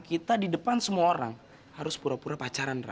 kita di depan semua orang harus pura pura pacaran